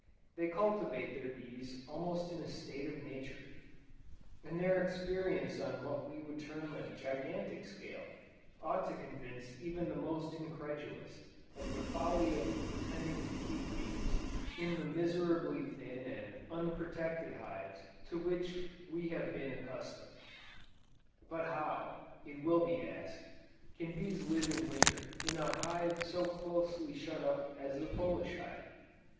They cultivate their bees almost in a state of nature, and their experience on what we would term a gigantic scale, ought to convince even the most incredulous, of the folly of pretending to keep bees, in the miserably thin and unprotected hives to which we have been accustomed. But how, it will be asked, can bees live in Winter, in a hive so closely shut up as the Polish hive?